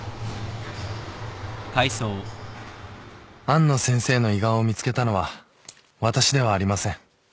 「安野先生の胃がんを見つけたのは私ではありません」